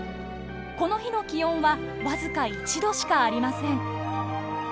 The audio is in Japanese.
この日の気温はわずか１度しかありません。